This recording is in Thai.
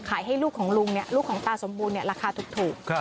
ให้ลูกของลุงเนี่ยลูกของตาสมบูรณ์ราคาถูก